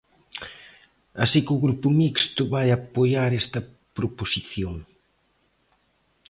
Así que o Grupo Mixto vai apoiar esta proposición.